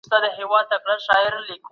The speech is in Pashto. هغه په ډېرو سختو حالاتو کي مېړانه ښودلې ده.